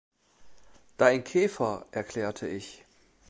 „Dein Käfer“, erklärte ich.